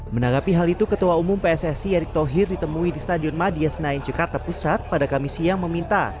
menanggapi hal itu ketua umum pssi erick thohir ditemui di stadion madia senayan jakarta pusat pada kamis siang meminta